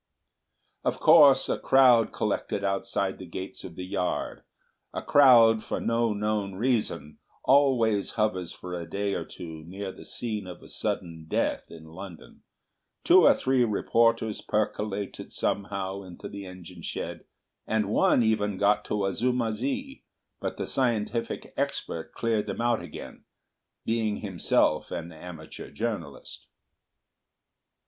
Of course a crowd collected outside the gates of the yard—a crowd, for no known reason, always hovers for a day or two near the scene of a sudden death in London; two or three reporters percolated somehow into the engine shed, and one even got to Azuma zi; but the scientific expert cleared them out again, being himself an amateur journalist.